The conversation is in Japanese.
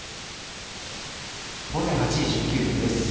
午前８時１９分です。